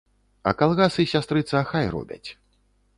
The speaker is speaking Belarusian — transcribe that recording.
А калгасы, сястрыца, хай робяць.